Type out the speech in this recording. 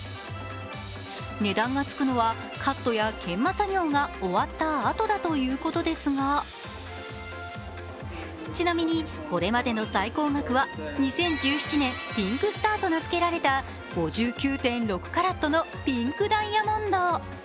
値段がつくのはカットや研磨作業が終わったあとだということですがちなみに、これまでの最高額は２０１７年、ピンク・スターと名づけられた５９．６カラットのピンクダイヤモンド。